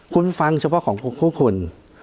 คุณฟังเฉพาะของพวกคุณ